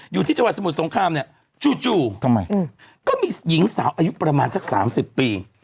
อยู่ที่จังหวัดสมุทรสงครามเนี่ยจู่ทำไมก็มีหญิงสาวอายุประมาณสัก๓๐ปี